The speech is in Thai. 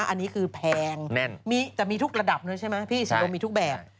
อันนี้คือแพงมีแต่มีทุกระดับเลยใช่ไหมพี่ศรีลมมีทุกแบบ